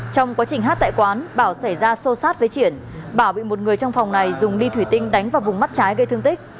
trong quá trình hát tại quán bảo xảy ra xô xát với triển bảo bị một người trong phòng này dùng đi thủy tinh đánh vào vùng mắt trái gây thương tích